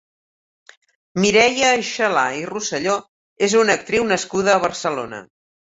Mireia Aixalà i Rosselló és una actriu nascuda a Barcelona.